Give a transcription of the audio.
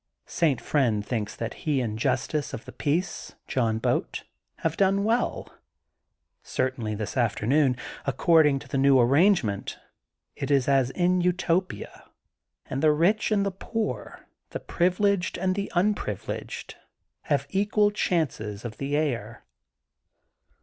St. Friend thinks that he and Justice of the Peace, John Boat, have done well. Certainly this afternoon, according to the new arrange ment, it is as in Utopia and the rich and the poor, the privileged and unprivileged, have equal chances in the air.